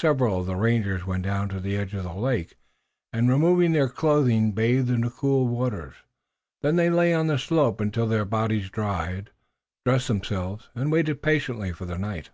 Several of the rangers went down to the edge of the lake, and, removing their clothing, bathed in the cool waters. Then they lay on the slope until their bodies dried, dressed themselves, and waited patiently for the night.